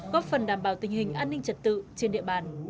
góp phần đảm bảo tình hình an ninh trật tự trên địa bàn